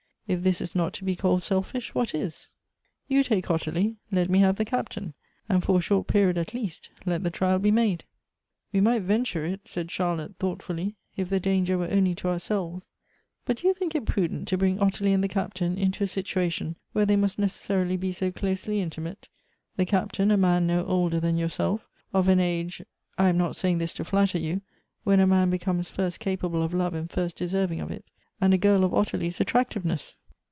If this is not to be called selfish, what is ? You take Ottilie. Let me have the Captain ; and, for a short period, at least, let the trial be made." " We might venture it," said Charlotte, thoughtfully, " if the danger were only to ourselves. But do you think it prudent to bring Ottilie and the Captain into a situation where they must necessarily be so closely intimate ; the Captain, a man no older than yourself, of an age (I am not saying this to flatter you) when a man becomes first capable of love and first deserving of it, and a girl of Ottilie's attractiveness